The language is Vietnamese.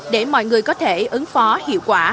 để mọi người có thể ứng phó hiệu quả